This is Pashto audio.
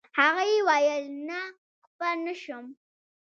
هغې ویل نه خپه نه شوم.